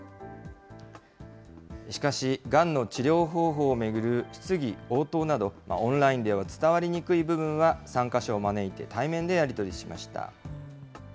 しかし、がんの治療方法を巡る質疑応答など、オンラインでは伝わりにくい部分は参加者を招いて対面でやり取りしました。